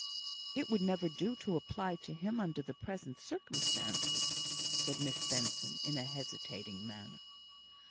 "It would never do to apply to him under the present circumstances," said Miss Benson, in a hesitating manner.